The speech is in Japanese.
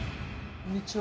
こんにちは。